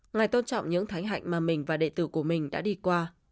ngài tôn trọng những thánh hạnh mà mình và đệ tử của mình đã đi qua